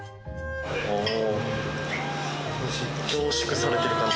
お凝縮されてる感じ。